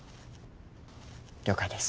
了解です。